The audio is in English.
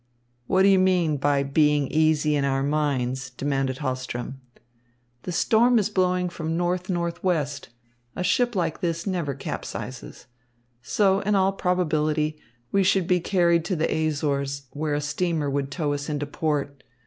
"What do you mean by being easy in our minds?" demanded Hahlström. "The storm is blowing from north northwest. A ship like this never capsizes. So, in all probability, we should be carried to the Azores, where a steamer would tow us into port.